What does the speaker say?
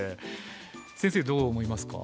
先生どう思いますか？